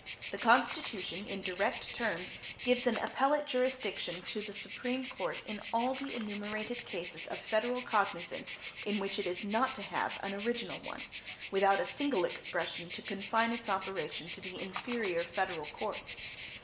The Constitution in direct terms gives an appellate jurisdiction to the Supreme Court in all the enumerated cases of federal cognizance in which it is not to have an original one, without a single expression to confine its operation to the inferior federal courts.